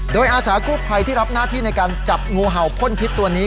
โดยอาสากู้ภัยที่รับหน้าที่ในการจับงูเห่าพ่นพิษตัวนี้